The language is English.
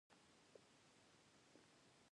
She was originally homeported in Norfolk, Virginia.